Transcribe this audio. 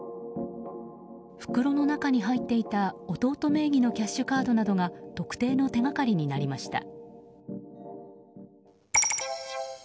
袋の中に入っていた弟名義のキャッシュカードなどが特定の手がかりになりました。